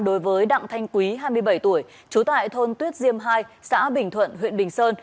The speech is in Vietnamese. đối với đặng thanh quý hai mươi bảy tuổi trú tại thôn tuyết diêm hai xã bình thuận huyện bình sơn